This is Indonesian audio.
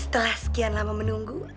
setelah sekian lama menunggu